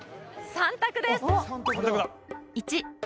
３択です